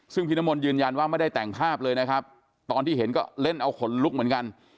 ซึ่งพี่น้ำมนต์ยืนยันว่าไม่ได้แต่งภาพเลยนะครับตอนที่เห็นก็เล่นเอาขนลุกเหมือนกัน